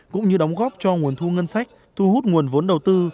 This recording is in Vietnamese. cũng như đóng góp cho nguồn thu ngân sách thu hút nguồn vốn đầu tư